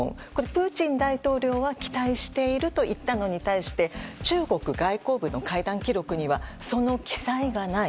プーチン大統領は期待していると言ったのに対して中国外交部の会談記録にはその記載がない。